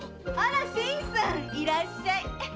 新さんいらっしゃい。